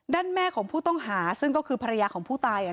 แม่ของผู้ต้องหาซึ่งก็คือภรรยาของผู้ตาย